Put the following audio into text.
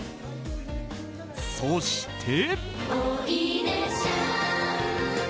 そして。